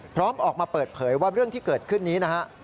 พร้อมออกมาเปิดเผยว่าเรื่องที่เกิดขึ้นนี้นะฮะ